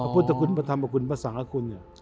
พระพุทธคุณพระธรรมคุณพระสังศ์คุณ